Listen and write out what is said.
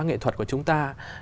nghệ thuật của chúng ta